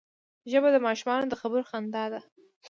ژبه د ماشومانو د خبرو خندا ده